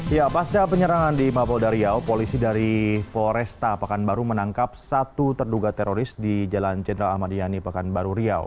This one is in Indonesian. ya pasca penyerangan di mapolda riau polisi dari polresta pekanbaru menangkap satu terduga teroris di jalan jenderal ahmadiyani pekanbaru riau